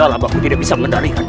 akan aku laksanakan